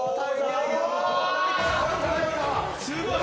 「すごーい！」